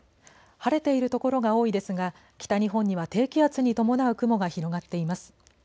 晴れている所が多いですが北日本には低気圧に伴う雲が広がっています。